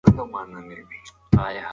خوشال خان د مجاهد